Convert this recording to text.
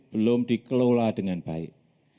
belum dikelola dengan baik